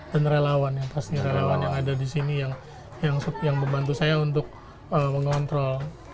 dan relawan ya pasti relawan yang ada di sini yang membantu saya untuk mengontrol